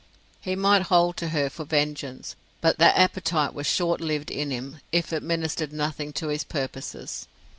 He might hold to her for vengeance; but that appetite was short lived in him if it ministered nothing to his purposes.